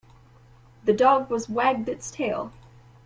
The dog was wagged its tail.